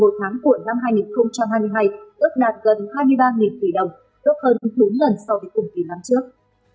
một mươi một tháng cuội năm hai nghìn hai mươi hai ước đạt gần hai mươi ba tỷ đồng tốt hơn bốn lần so với cùng kỳ năm trước